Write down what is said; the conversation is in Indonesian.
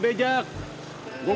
gue mau cari kerjaan sendiri